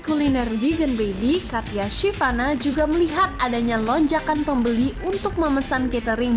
kuliner vegan baby katya shivana juga melihat adanya lonjakan pembeli untuk memesan catering